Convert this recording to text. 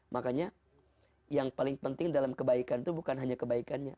makanya yang paling penting dalam kebaikan itu bukan hanya kebaikannya